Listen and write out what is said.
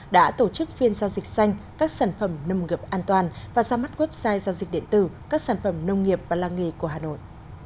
đã tổ chức phiên giao dịch xanh các sản phẩm nông nghiệp an toàn và ra mắt website giao dịch điện tử các sản phẩm nông nghiệp và làng nghề của hà nội